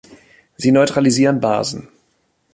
Sie neutralisieren Basen.